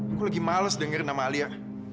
aku lagi males denger nama alia